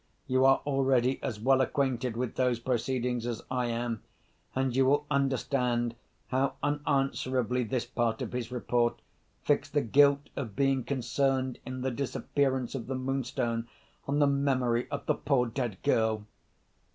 You are already as well acquainted with those proceedings as I am; and you will understand how unanswerably this part of his report fixed the guilt of being concerned in the disappearance of the Moonstone on the memory of the poor dead girl.